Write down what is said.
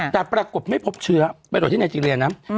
แต่ปรากฏไม่พบเชื้อไปตรวจที่ไนเจรียนะ